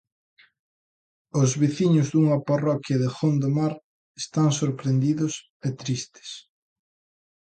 Os veciños dunha parroquia de Gondomar están sorprendidos e tristes.